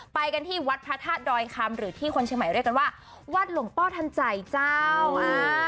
ไปกันที่วัดพระธาตุดอยคำหรือที่คนเชียงใหม่เรียกกันว่าวัดหลวงพ่อทันใจเจ้าอ่า